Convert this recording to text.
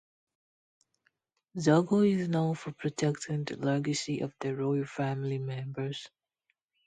Zogu is known for protecting the legacy of the royal family members.